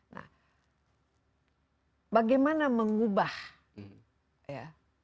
nah bagaimana mengubah ya